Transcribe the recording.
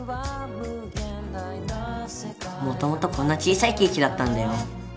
もともとこんな小さいケーキだったんだよ。